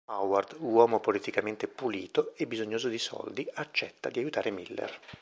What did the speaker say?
Howard, uomo politicamente "pulito" e bisognoso di soldi, accetta di aiutare Miller.